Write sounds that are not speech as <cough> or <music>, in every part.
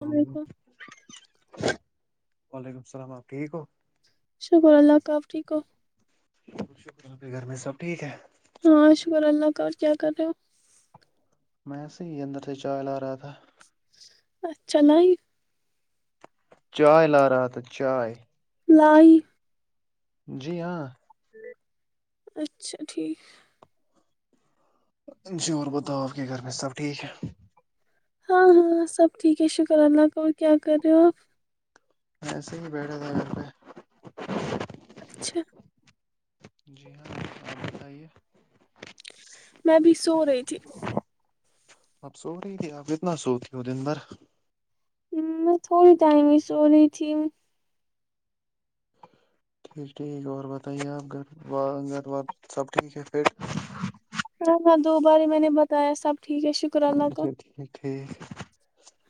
ہ علیکم وعلیکم السلام آپ ٹھیک ہو شکر اللہ کا آپ ٹھیک ہو ب شکر ال آپ کے گھر میں سب ٹھیک ہے ہاں شکر اللہ کا اور کیا کر رہے ہو میںسے ہی اندر سے چائے ل آ رہا تھا اچھا نہیں چائے لا رہا تھا چائے لائی جی ہاں اچھا ٹھیک جی اور بتاؤ آپ کے گھر میں سب ٹھیک ہے ہاں ہاں سب ٹھیک ہے شکر اللہ کا اور کیا کر رہے ہو آپ ایسے ہی بیڑے تھا گ پہ اچھا جی ہاں آپ بتائیے میں بھی سو رہی تھی اب سو رہی ت آپ اتنا سوتی ہو دیندر ہ میں تھوڑی ٹائم ہی سو رہی تھی ٹھیک ٹھیک اور بتائیے آپ گھر گھر وار سب ٹھیک ہے پھر ہاں ہاں دو بار میں نے بتایا سب ٹھیک ہے شکر اللہ کا اچھا ٹھیک ٹھیک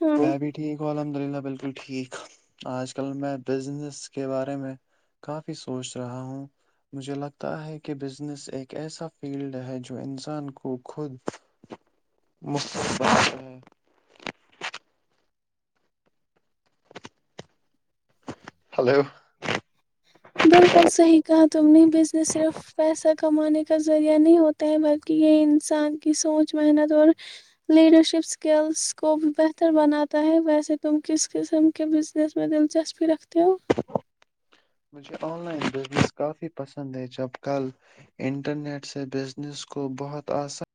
ہاں میں بھی ٹھیک ہوںالم الحمد للہ بالکل ٹھیک آج کل میں بزنس کے بارے میں کافی سوچ رہا ہوں مجھے لگتا ہے کہ بزنس ایک ایسا فیلڈ ہے جو انسان کو خود مصفف ہلو بالکل صحیح کہ تم نہیں بزنس صرف پیسہ کمانے کا ذریعہ نہیں ہوتا ہے بلکہ یہ انسان کی سوچ محنت اور لیڈرشپ اسکلس کو بھی بہتر بناتا ہے ویسے تم کس قسم کے بزنس میں دلچسپی رکھتے ہو مجھے آن لائن بزنس کافی پسند ہے جب کل انٹرنیٹ سے بزنس کو بہت آسان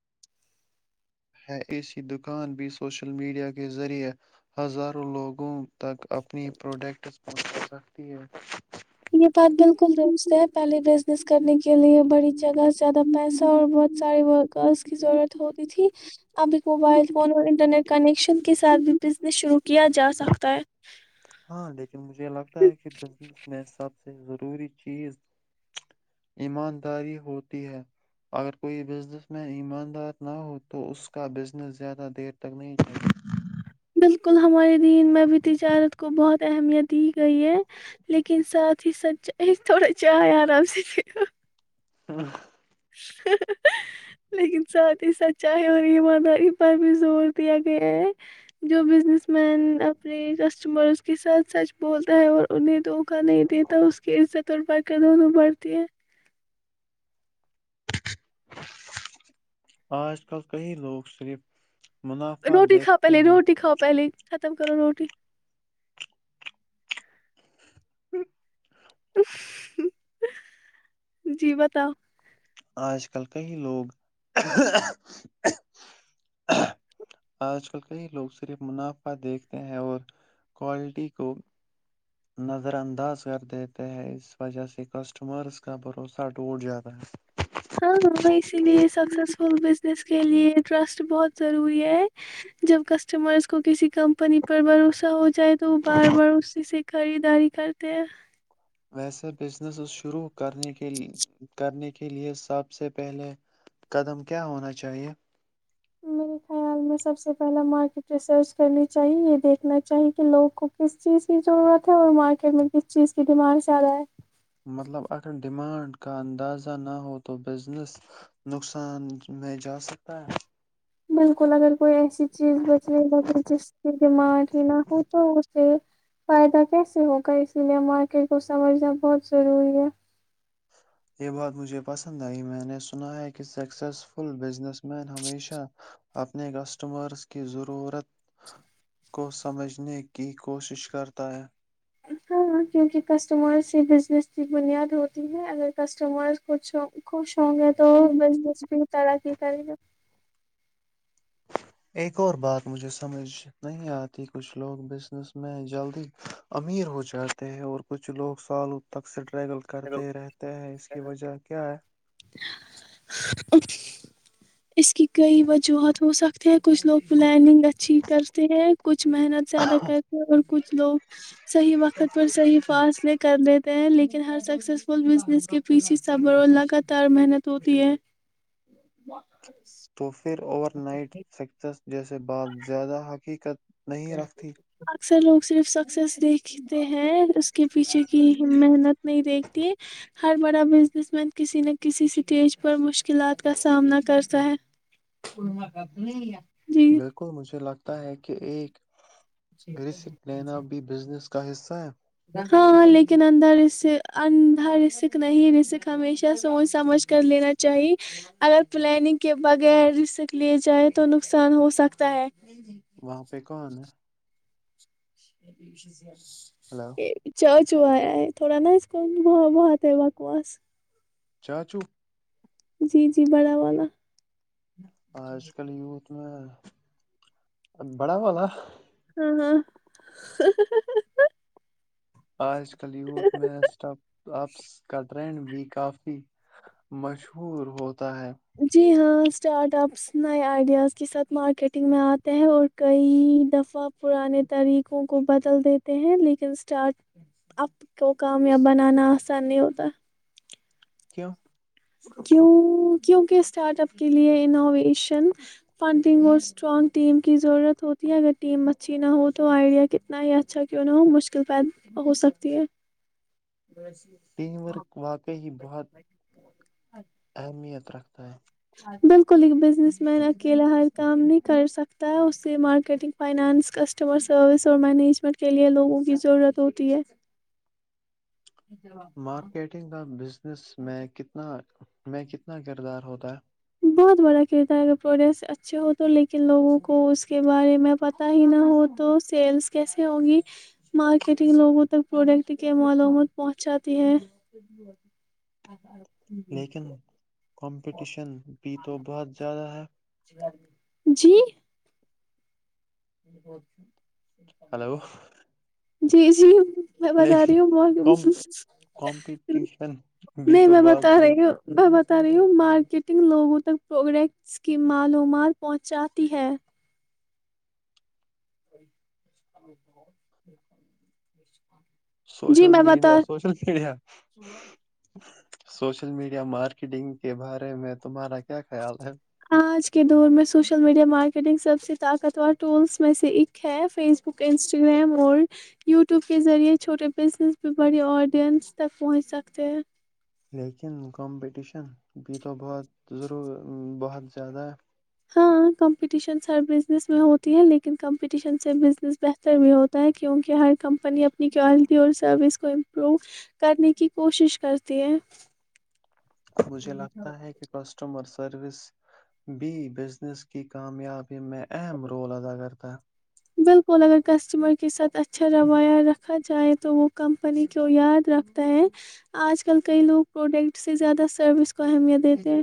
ہے ایسی دکان بھی سوشل میڈیا کے ذریعے ہزاروں لوگوں تک اپنی پروڈکٹس پہنچا سکتی ہے یہ بات بالکل دوست ہے پہلے بزنس کرنے کے لیے بڑی جگہ سے زیادہ پیسہ اور بہت ساریے ورکرس کی ضرورت ہوتی تھی ابھی موبائل فون اور انٹرنیٹ کنیکشن کے ساتھ بھی بزنس شرو کیا جا سکتا ہے ہاں لیکن مجھے لگتا ہے کہ بزنس میں سب سے ضروری چیز ایمانداری ہوتی ہے اگر کوئی بزنس مین ایماندار نہ ہو تو اس کا بزنس زیادہ دیر تک نہیں چاہے بالکل ہمارے دین میں بھی تجارت کو بہت اہمیت دی گئی ہے لیکن ساتھ ہی سچ ہی تھوڑا چاہے آرام سے سھو <unintelligible> لیکن ساتھ ہی سچائی اور ایمانداری پر بھی زور دیا گیا ہے جو بزنس مین اپنے کسٹمرس کے ساتھ سچ بولتا ہے اور انہیں دھوکا نہیں دیتا اس کی عزت اور بڑھ کر دونوں بڑھتی ہیں آج کل کئی لوگ صرف منافع روٹی کا پہ دیکھتے لی ہیں روٹی کا پہلی ختم کرو روٹی جی بتاؤ آج کل کئی لوگ آج کل کئی لوگ صرف منافع دیکھتے ہیں اور کوالٹی کو نظر انداز کر دیتے ہیں اس وجہ سے کسٹمرس کا بھروسہ ٹوٹ جاتا ہے ہاں ہاں اسی لیے سکسسفل کے لیے ٹرسٹ بہت ضروری ہے جب کسٹمرس کو کسی کمپنی پر بھروسہ ہو چاہے تو وہ بار بار اس سےیک خریداری کرتے ہیں ویسے بزنس شروع کرنے کے کرنے کے لیے سب سے پہلے قدم کیا ہونا چاہیے میرے خیال میں سب سے پہلاے مارکیٹ ریسرچ کرنی چاہی یہ دیکھنا چاہی کہ لوگوں کو کس چیز کی ضرورت ہے اور مارکیٹ میں کس چیز کی بیمانڈ زیادہ ہے مطلب اگر ڈیمانڈ کا اندازہ نہ ہو تو بزنس نقصان میں جاسکتا ہے بالکل اگر کوئی ایسی چیز بچنے لگے جس کے دماغ ہی نہ ہو تو اسے فائدہ کیسے ہوگا اسی لیے مارکیٹ کو سمجھنا بہت ضروری ہے ہے یہ بات مجھے پسند آئی میں نے سنا ہے کہ سکسیزفل بزنس مین ہمیشہ اپنے کسٹمرس کی ضرورت کو سمجھنے کی کوشش کرتا ہے ہاں کیونکہ کسٹمر سے بزنس کی بنیاد ہوتی ہے اگر کسٹمر کچھ خش ہ گے تو ہے بزنس بھی تر کیی کری گا ایک اور بات مجھے سمجھ نہیں آتی کچھ لوگ بزنس میں جلدی امیر ہو جاتے ہیں اور کچھ لوگ سالوں تک ٹریول کرتے رہتے ہیں اس کی وجہ کیا ہے اس کی کئی وجوہات ہو سکتی ہیں کچھ لوگ پلاننگ اچھی کرتے ہیں کچھ محنت زیادہ کرتے ہیں اور کچھ لوگ صحیح وقت قت پر صحیح فاصلے کر دیتے ہیں لیکن ہر سکسیسفل بزنس کے پیچھے سبر لگاتار محنت ہوتی ہے توف پھر اوور نائٹ سکسس جیسے بعات زیادہ حقیقت نہیں رکھتی <unintelligible> اکثر لوگ صرف سکسیس دیکھتے ہیں اس کے پیچھے کی محنت نہیں دیکھتی ہر بڑا بزنس مین کسی نہ کسی اسٹیج پر مشکلات کا سامنا کرتا ہے جی بالکل مجھے لگتا ہے ہوتا ہے کہ ایک رسک لینا بھی بزنس کا حصہ ہے ہاں ہاں لیکن اندر اس اندا رسک نہیں رسک ہمیشہ سوچ سمجھ کر لینا چاہیے اگر پلاننگ کے بغیر رسک لے جائ تو نقصان ہو سکتا ہے وہاں پہ کون ہے یہ بھی ہلو <unintelligible> چاچ ہو آیا ہے تھوڑا نہیں کرن ب بہتے ہے بکواس چاچو جی جی بڑا والا آج کل یوتھ میں بڑا والا ہ آج کل یوتھ میں سٹب آپ کا ٹرینڈ بھی کافی مشہور ہوتا ہے جی ہاں اسٹارٹ اپس نئے آئیڈیاز کے ساتھ مارکیٹنگ میں آتے ہیں اور کئی دفعہ پرانے طریقوں کو بدل دیتے ہیں لیکن اسٹارٹ اپ کو کامیاب بنانا آسان نہیں ہوتا کیوں کیوں کیوںکہ اسٹارٹ اپ کے لئے انوویشن فنڈنگ اور اسٹرانگ ٹیم کی ضرورت ہوتی ہے اگر ٹیم اچھی نہ ہو تو آئیڈیا کتنا ہی اچھا کیوں نہ ہو مشکل پیدا ہو سکتی ہے ٹیم ورک واقعی بہت اچھا اہمیت رکھتا ہے بالک ل کے ب بنس مین اکیلا ہر کام نہیں کر سکتا تا اس سے مارکیٹنگ فائنانس کسٹمر سروس اور مینجمنٹ کے لیئے لوگوں کی ضرورت ہوتی ہے مارکیٹنگ کا بزنس میں کتنا میں کتنا کردار ہوتا ہے بہت بڑا کرتا ہے اگر پروڈکٹ اچھے ہو تو لیکن لوگوں کو اس کے بارے میں پتتا ہی نہ ہو تو سیلس کیسے ہوگی مارکیٹنگ لوگوں تک پروڈکٹ کے معلومات پہنچاتی ہے لیکن کمپٹیشن بھی تو بہت زیادہ ہے جی ب بت ہلو <unintelligible> جی جی میں بتا لیکن رہی ہوں کم کمپٹیشن بھی نہیں تو میں بتا بہت ضرور رہی ہوں میں طریوں مارکیٹنگ لوگوں تک پروڈکٹس کی معلومات پہنچاتی ہے اور <inaudible> social media social media social media marketing کے بارے میں تمہارا کیا خیال ہے آج کے دور میں سوش سوشل میڈیا مارکیٹنگ سب سے طاقتور ٹولس میں سے ایک ہے فیس بک انسٹاگرام اور یوٹیوب کے ذریعے چھوٹے بزنس بھی بڑے آڈینس تک پہنچ سکتے ہیں لیکن کمپٹیشن بھی تو بہت ضرور بہت زیادہ ہاں کمپٹیشنس ہر بزنس میں ہوتی ہے لیکن کمپٹیشن سے بزنس بہتر بھی ہوتا ہے کیونکہ ہر کمپنی اپنی کوالٹی اور سروس کو امپروو کرنے کی کوشش کرتی ہے مجھے لگتا ہے کہ کسٹمرس سروس بی بزنس کی کامیابی میں اہم رول ادا کرتا ہے بالکل اگر کسٹمر کے ساتھ اچھا روایہ رکھا جائے تو وہ کمپنی کو یاد رکھتا ہے آج کل کئی لوگ پروڈکٹ سے زیادہ سروس کو اہمیت دیتے ہیں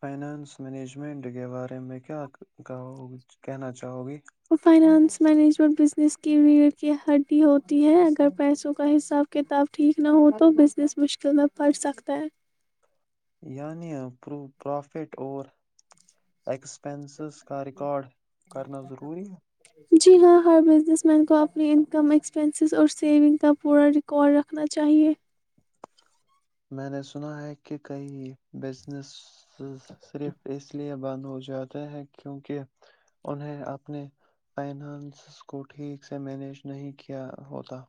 فائنانس مینجمنٹ کے بارے میں کیا کہنا چاہو گی فائنانس مینجمنٹ بزنس کی ریڑھ کی ہڈی ہوتی ہے اگر پیسوں کا حساب کتاب ٹھیک نہ ہو تو بزنس مشکل میں پڑ سکتا ہے یعنی پرافٹ اور ایکسپینسز کا ریکارڈ کرنا ضروری جی ہاں ہر بزنس مین کو اپنی انکم ایکسپینسز اور سیونگ کا پورا ریکارڈ رکھنا چاہیے میں نے سنا ہے کہ کئی بزنس صرف اس لیے بند ہو جاتے ہیں کیونکہ انہیں اپنے فائنانس کو ٹھیک سے مینج نہیں کیا ہوتا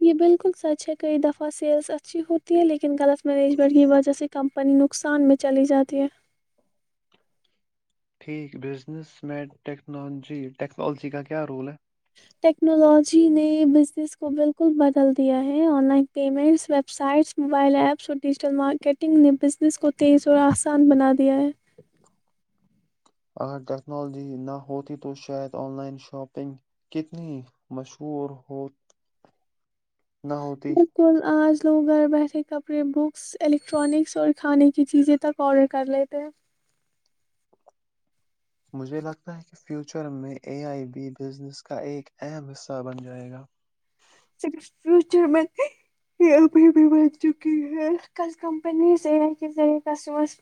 یہ بالکل سچ ہے کئی دفع سیلز اتچھی ہوتی ہے لیکن غلط میننیجمنٹ کی وجہ سے کمپنی اپنی نقصان میں چلی جاتی ہے ٹھیک بزنس میں ٹیکنالوجی ٹیکنالوجی کا کیا رول ہے ٹیکنالوجی نے بزنس کو بالکل بدل دیا ہے online payments websites mobile apps اور ڈیجیٹل مارکیٹنگ نے ب جس کو تیز اور آسان بناات دیا ہے اگر ٹیکنالوجی نہ ہوتی تو شاید آن لائن شاپنگ کتنی مشہور ہو نہ ہوتی بالکل آج لوگ گھر بیٹھے کپڑے بکس الیکٹرانکس اور کھانے کی چیزیں تک آڈر کر لیتے ہیں مجھے لگتا ہے کہ فیوچر میں اے آئی بی بزنس کا ایک اہم حصہ بن جائے گا فیوچر میں یہ ابھی بھی بج چکی ہے ک کمپنیزع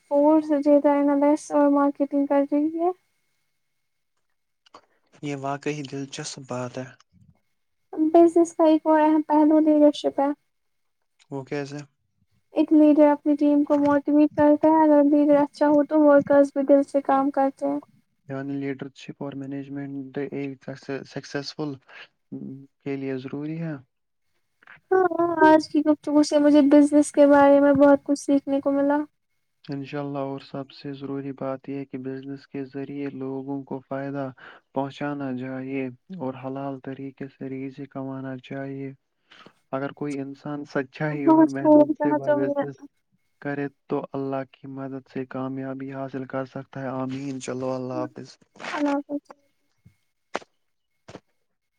ف اور مارکیٹنگ کر رہی ہے یہ واقعی دلچسپ بات ہے بیسائی کو ہے پہلو لیڈرشپ ہے اوکے سے ایک لیڈر اپنی ٹیم کو موٹیویٹ کرتا ہے اگر لیڈر اچھا ہو تو ورکرس بھی دل سے کام کرتے ہیں لیڈر شپ اور مینجمنٹ سکسیزفل کے لیے ضروری ہے ہاں ہاں آج کییکتے ب سے مجھے بزنس کے بارے میں بہت کچھ سیکھنے کو ملا انشاء اللہ اور سب سے ضروری بات یہ کہ بزنس کے ذریعے لوگوں کو فائدہ پہنچانا چاہے اور حلال طریقے سے ریزیں کمانا چاہیے اگر کوئی انسان س اچھا ہی اور بہت محنت خوب سے کہا تم ب نے سے کرے تو اللہ کی مدد سے کامیابی حاصل کر سکتا ہے آمین چلو اللہ حافظ اللہ حافظ